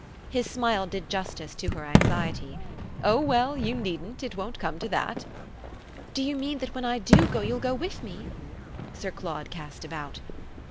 His smile did justice to her anxiety. "Oh well, you needn't! It won't come to that." "Do you mean that when I do go you'll go with me?" Sir Claude cast about.